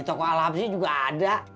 di toko alhapsi juga ada